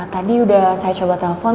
tadi udah saya coba telepon